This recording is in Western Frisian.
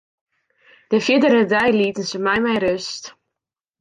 De fierdere dei lieten se my mei rêst.